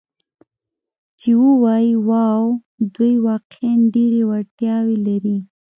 چې ووایي: 'واو، دوی واقعاً ډېرې وړتیاوې لري.